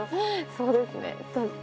そうですね。